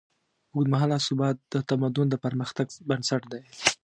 اوږدمهاله ثبات د تمدن د پرمختګ بنسټ دی.